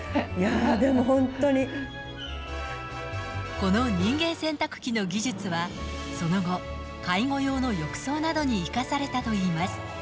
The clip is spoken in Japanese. この人間洗濯機の技術は、その後、介護用の浴槽などに生かされたといいます。